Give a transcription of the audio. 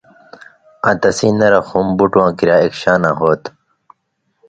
آں تسیں نرخ ہُم بُٹواں کریا اک شاناں ہوتُھو۔۔